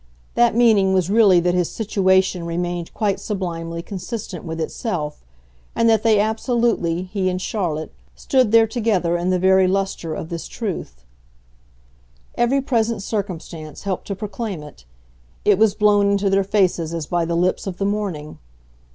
That meaning was really that his situation remained quite sublimely consistent with itself, and that they absolutely, he and Charlotte, stood there together in the very lustre of this truth. Every present circumstance helped to proclaim it; it was blown into their faces as by the lips of the morning.